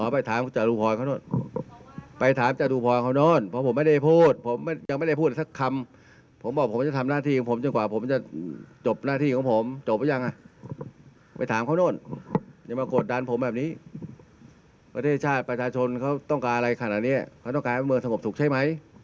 ประเทศชาติประชาชนเขาต้องการอะไรขนาดนี้เขาต้องการให้เมืองสงบสุขใช่ไหม